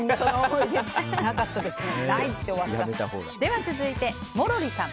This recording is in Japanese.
なかったですね。